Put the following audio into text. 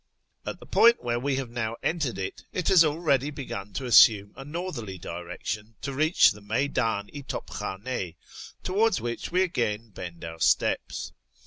At the point where we have now entered it, it has already begun to assume a northerly direction to reach the Meyddn i To'pkhdnd, towards which we again bend our steps.